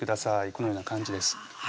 このような感じです